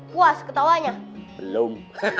puas ketawanya belum